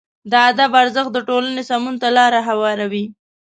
د ادب ارزښت د ټولنې سمون ته لاره هواروي.